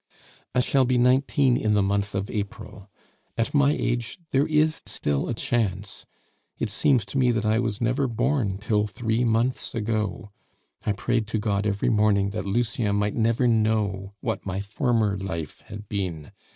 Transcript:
"I shall be nineteen in the month of April; at my age there is still a chance. It seems to me that I was never born till three months ago. I prayed to God every morning that Lucien might never know what my former life had been.